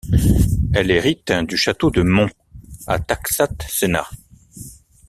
Elle hérite du château de Mont, à Taxat-Senat.